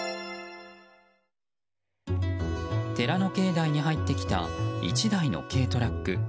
寺の境内に入ってきた１台の軽トラック。